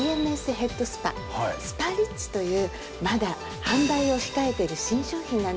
こちら。というまだ販売を控えてる新商品なんです。